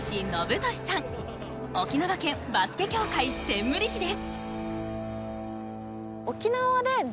沖縄県バスケ協会専務理事です。